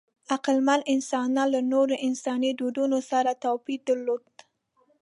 عقلمن انسانان له نورو انساني ډولونو سره توپیر درلود.